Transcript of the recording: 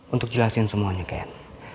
untuk jelasin semuanya ken